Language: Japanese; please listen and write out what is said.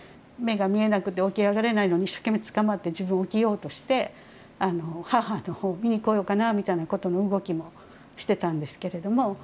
目が見えなくて起き上がれないのに一生懸命つかまって自分起きようとして母の方を見に来ようかなみたいなことも動きもしてたんですけれども。